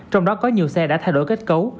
trong đó có nhiều xe đã thay đổi kết cấu